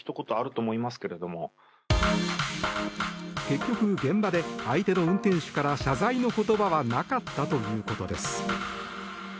結局、現場で相手の運転手から謝罪の言葉はなかったということです。